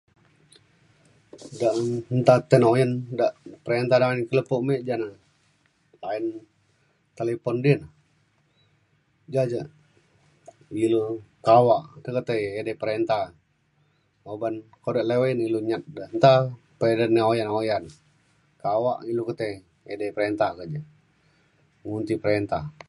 da nta uyan da perintah da ke lepo me ja na line talipon di na ja ja ilu kawa tai ketai edi perintah uban kuda liwai na ilu nyat de nta pa ina uyan uyan kawa ilu ketai edei perintah ke ja ngundi perintah